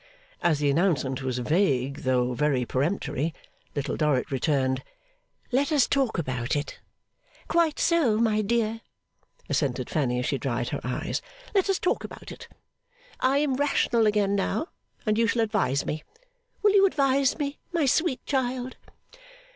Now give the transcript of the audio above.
As the announcement was vague, though very peremptory, Little Dorrit returned, 'Let us talk about it.' 'Quite so, my dear,' assented Fanny, as she dried her eyes. 'Let us talk about it. I am rational again now, and you shall advise me. Will you advise me, my sweet child?